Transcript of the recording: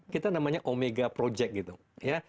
kita namanya omega project gitu ya